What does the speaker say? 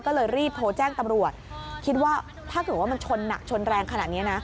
ก็เลยรีบโทรแจ้งตำรวจคิดว่าถ้าเกิดว่ามันชนหนักชนแรงขนาดนี้นะ